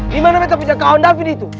dimana menta pijak kawan david itu